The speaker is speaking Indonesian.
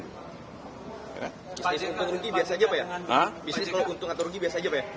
bisnis untung atau rugi biasa aja pak ya